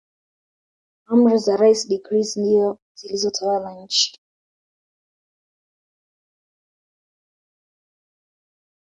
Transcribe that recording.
Amri za rais decrees ndizo zilizotawala nchi